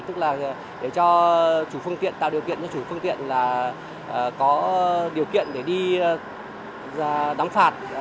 tức là để cho chủ phương tiện tạo điều kiện cho chủ phương tiện là có điều kiện để đi đóng phạt